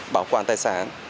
bảo quản tài sản